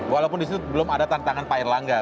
walaupun di situ belum ada tantangan pak erlangga